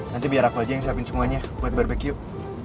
nanti biar aku aja yang siapin semuanya buat barbecue